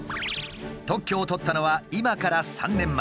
特許を取ったのは今から３年前。